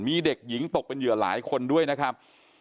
มีเด็กหญิงตกเป็นเหยื่อหลายคนด้วยนะครับ